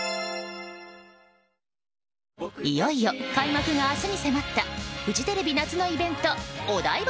いよいよ、開幕が明日に迫ったフジテレビ夏のイベントお台場